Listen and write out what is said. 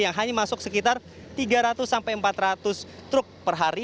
yang hanya masuk sekitar tiga ratus sampai empat ratus truk per hari